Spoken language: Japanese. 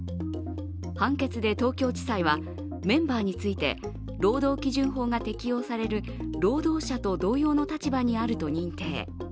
判決で東京地裁はメンバーについて労働基準法が適用される労働者と同様の立場にあると認定。